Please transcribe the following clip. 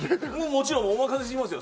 もちろんお任せしますよ。